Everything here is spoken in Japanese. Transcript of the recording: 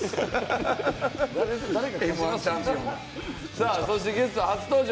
さあそしてゲストは初登場